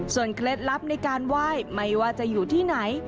ส่วนเคล็ดลับในการว่ายไม่ว่าจะอยู่ที่ไหน